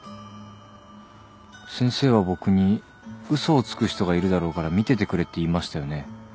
先生は僕に嘘をつく人がいるだろうから見ててくれって言いましたよね？